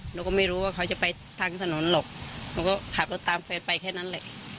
หนูก็ไม่รู้ว่าเขาจะไปทางถนนหรอกหนูก็ขับรถตามแฟนไปแค่นั้นแหละ